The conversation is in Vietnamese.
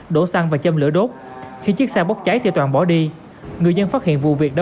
đổ xăng và châm lửa đốt khi chiếc xe bốc cháy thì toàn bỏ đi người dân phát hiện vụ việc đã